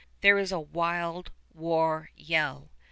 There is a wild war yell.